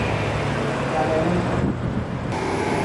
Isabelly e Antônio